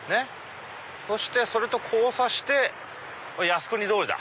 そしてそれと交差して靖国通りだ。